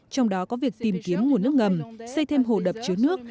trong đó có việc tìm kiếm nguồn nước ngầm xây thêm hồ đập chứa nước